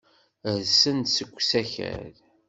Rsen-d seg usakal.